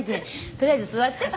とりあえず座って。